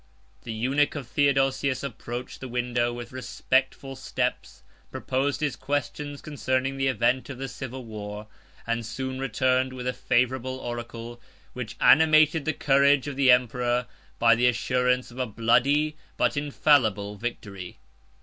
The eunuch of Theodosius approached the window with respectful steps, proposed his questions concerning the event of the civil war, and soon returned with a favorable oracle, which animated the courage of the emperor by the assurance of a bloody, but infallible victory.